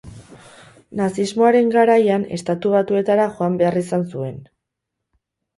Nazismoaren garaian Estatu Batuetara joan behar izan zuen.